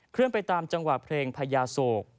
เลื่อนไปตามจังหวะเพลงพญาโศก